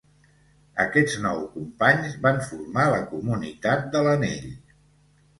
Aquests nou companys van formar la Comunitat de l'Anell.